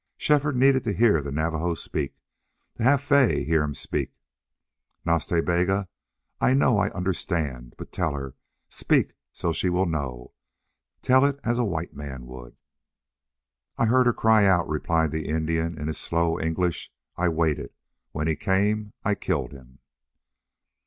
Shefford needed to hear the Navajo speak to have Fay hear him speak. "Nas Ta Bega, I know I understand. But tell her. Speak so she will know. Tell it as a white man would!" "I heard her cry out," replied the Indian, in his slow English. "I waited. When he came I killed him."